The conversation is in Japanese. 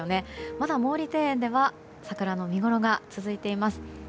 まだ毛利庭園では桜の見ごろが続いています。